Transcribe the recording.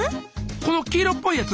この黄色っぽいやつ？